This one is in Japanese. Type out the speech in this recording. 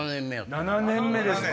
７年目ですって。